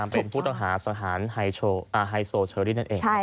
เป็นผู้ต้องหาสถานไฮโซเชอรี่นั่นเอง